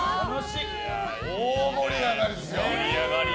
大盛り上がりですよ。